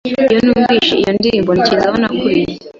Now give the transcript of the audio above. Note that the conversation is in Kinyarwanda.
Iyo numvise iyo ndirimbo, ntekereza aho nakuriye.